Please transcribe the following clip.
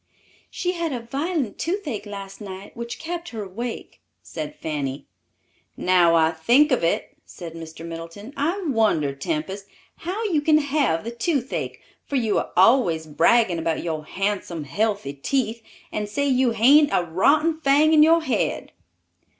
"She had a violent toothache last night, which kept her awake," said Fanny. "Now I think of it," said Mr. Middleton, "I wonder, Tempest, how you can have the toothache, for you are always bragging about your handsome, healthy teeth, and say you hain't a rotten fang in your head."